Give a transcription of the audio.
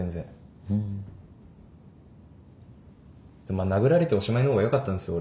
まあ殴られておしまいの方がよかったんですよ